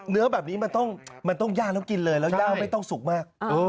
เนื้อแบบนี้มันต้องย่างแล้วกินเลยแล้วย่างไม่ต้องสุกมาก